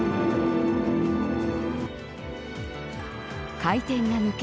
回転が抜け